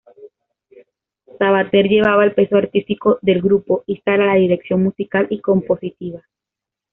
Sabater llevaba el peso artístico del grupo y Sala la dirección musical y compositiva.